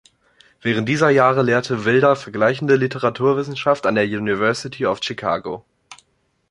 Während dieser Jahre lehrte Wilder vergleichende Literaturwissenschaft an der University of Chicago.